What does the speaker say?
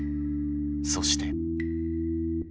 そして。